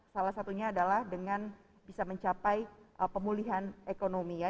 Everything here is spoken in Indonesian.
salah satunya adalah dengan bisa mencapai pemulihan ekonomi ya